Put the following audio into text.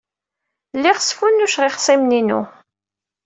Lliɣ sfunnuceɣ ixṣimen-inu.